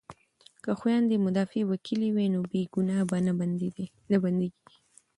که خویندې مدافع وکیلې وي نو بې ګناه به نه بندیږي.